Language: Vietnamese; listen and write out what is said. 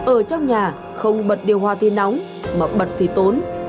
ở trong nhà không bật điều hòa thì nóng mà bật thì tốn